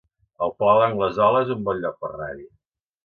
El Palau d'Anglesola es un bon lloc per anar-hi